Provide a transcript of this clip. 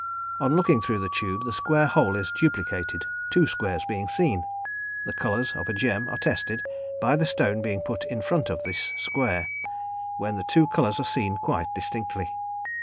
On looking through the tube, the square hole is duplicated, two squares being seen. The colours of a gem are tested by the stone being put in front of this square, when the two colours are seen quite distinctly.